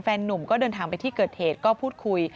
นุ่มก็เดินทางไปที่เกิดเหตุก็พูดคุย